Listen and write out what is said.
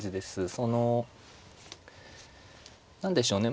その何でしょうね